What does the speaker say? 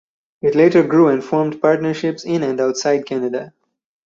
It later grew and formed partnerships in and outside Canada.